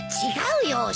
違うよ。